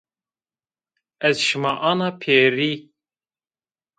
Ez şima ana pêrî